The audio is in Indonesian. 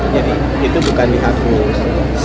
jadi itu bukan dihapus